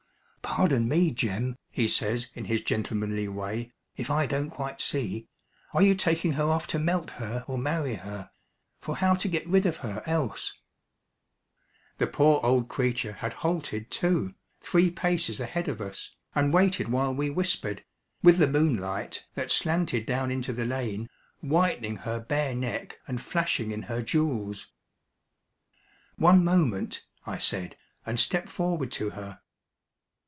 "Pardon me, Jem," he says in his gentlemanly way, "if I don't quite see. Are you taking her off to melt her or marry her? For how to get rid of her else " The poor old creature had halted, too, three paces ahead of us, and waited while we whispered, with the moonlight, that slanted down into the lane, whitening her bare neck and flashing in her jewels. "One moment," I said, and stepped forward to her.